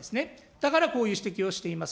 だからこういう指摘をしています。